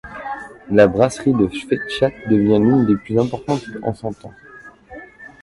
La brasserie de Schwechat devient l'une des plus importantes en son temps.